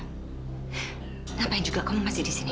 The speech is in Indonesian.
ngapain juga kamu masih disini